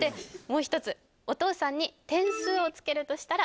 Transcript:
もう一つ「お父さんに点数をつけるとしたら」